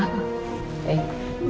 kamu oke pak